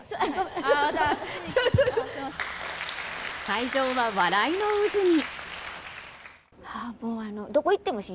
会場は笑いの渦に。